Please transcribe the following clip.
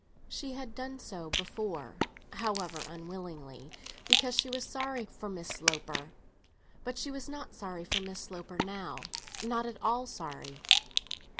She had done so before—however unwillingly—because she was sorry for Miss Sloper; but she was not sorry for Miss Sloper now—not at all sorry.